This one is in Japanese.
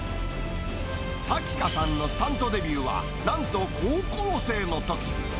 さきかさんのスタントデビューは、なんと高校生のとき。